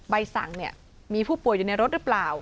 ใบสั่งเนี่ยมีผู้ป่วยอยู่ในรถหรือเปล่า